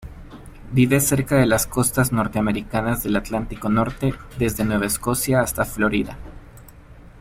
Vive cerca de las costas norteamericanas del Atlántico Norte, desde Nueva Escocia hasta Florida.